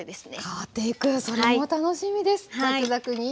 変わっていくそれも楽しみです。